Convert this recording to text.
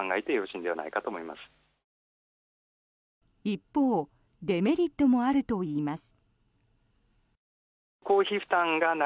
一方デメリットもあるといいます。